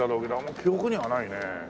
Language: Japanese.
記憶にはないね。